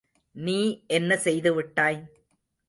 நீ என்ன செய்துவிட்டாய்!